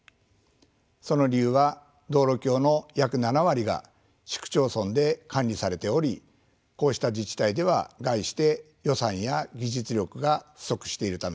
その理由は道路橋の約７割が市区町村で管理されておりこうした自治体では概して予算や技術力が不足しているためです。